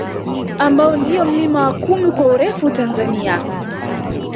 Ambao ndio mlima wa kumi kwa urefu Tanzania